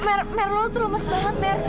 mer mer lu tuh lemes banget mer